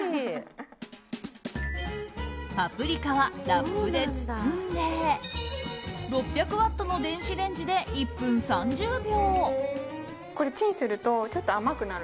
パプリカはラップで包んで６００ワットの電子レンジで１分３０秒。